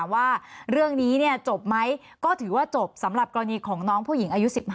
ว่าเรื่องนี้จบไหมก็ถือว่าจบสำหรับกรณีของน้องผู้หญิงอายุ๑๕